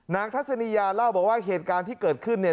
นางทัศนียาเล่าว่าเหตุการณ์ที่เกิดขึ้นนเดียว